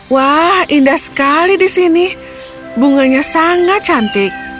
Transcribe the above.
wah indah sekali di sini bunganya sangat cantik